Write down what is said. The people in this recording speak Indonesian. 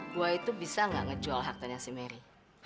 gue itu bisa gak ngejual hartanya si meri